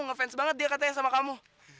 ngefans banget dia katanya sama kamu